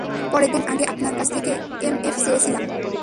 পনের দিন আগে আপনার কাছ থেকে এমএফ চেয়েছিলাম।